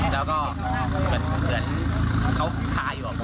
และก็เหมือนศพเขาขาอยู่อ่ะ